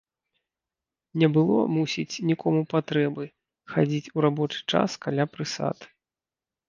Не было, мусіць, нікому патрэбы хадзіць у рабочы час каля прысад.